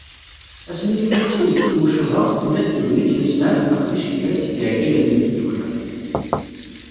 Asmi tekfa tsiwelt n tmucuha, tella-d tegnit n usenɛet n leqdic n kra seg yiɛeggalen n tdukkla.